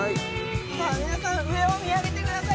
さあ皆さん上を見上げてください。